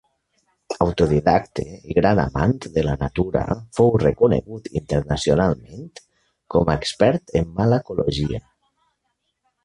Autodidacte i gran amant de la natura, fou reconegut internacionalment com a expert en malacologia.